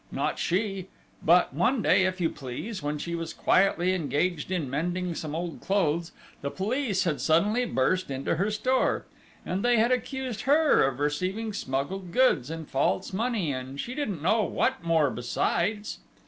Not she! But, one day, if you please, when she was quietly engaged in mending some old clothes, the police had suddenly burst into her store!... And they had accused her of receiving smuggled goods and false money, and she didn't know what more besides!...